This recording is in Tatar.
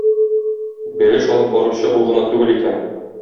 Бәлеш алып баручы ул гына түгел икән.